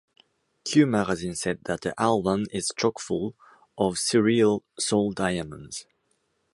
"Q" magazine said that the album is "chock-full of surreal soul diamonds.